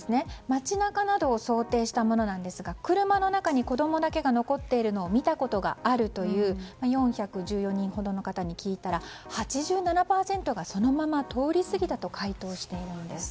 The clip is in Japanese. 街中などを想定したものですが車の中に子供だけが残っているのを見たことがあるという４１４人ほどの人に聞いたら８７％の人がそのまま通り過ぎたと回答しているんです。